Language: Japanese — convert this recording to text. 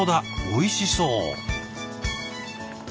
おいしそう。